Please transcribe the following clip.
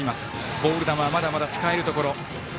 ボール球はまだまだ使えるところ。